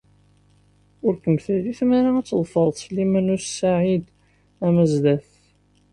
Ur kem-terri tmara ad tḍefreḍ Sliman u Saɛid Amezdat.